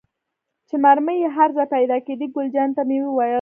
چې مرمۍ یې هر ځای پيدا کېدې، ګل جانې ته مې وویل.